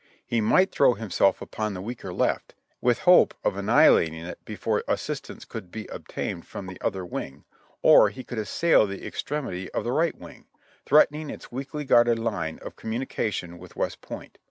He might throw himself upon the weaker left, with hope of annihilating it before assistance could be obtained from the other wing, or he could assail the extremity of the right wing, threatening its weakly guarded line of com munication with West Point.